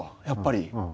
やっぱり。